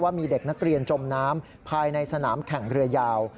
มีเด็กนักเรียนจมน้ำภายในสนามแข่งเรือยาว